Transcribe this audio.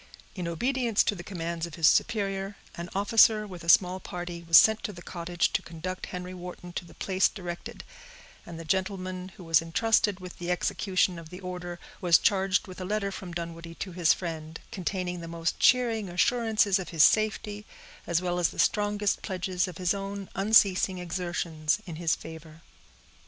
In obedience to the commands of his superior, an officer, with a small party, was sent to the cottage to conduct Henry Wharton to the place directed; and the gentleman who was intrusted with the execution of the order was charged with a letter from Dunwoodie to his friend, containing the most cheering assurances of his safety, as well as the strongest pledges of his own unceasing exertions in his favor.